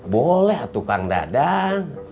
boleh tukang dadang